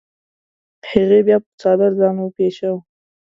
هغې بیا په څادر ځان وپیچوه.